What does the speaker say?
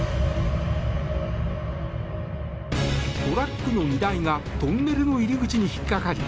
トラックの荷台がトンネルの入り口に引っかかり